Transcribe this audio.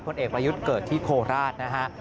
เอกประยุทธ์เกิดที่โคราชนะฮะ